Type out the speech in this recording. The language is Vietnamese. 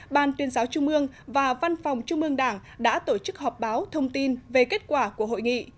ban tuyên giáo trung ương và văn phòng trung ương đảng đã tổ chức họp báo thông tin về kết quả của hội nghị